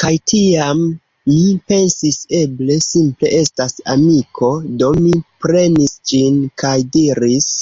Kaj tiam mi pensis: "Eble simple estas amiko?" do mi prenis ĝin, kaj diris: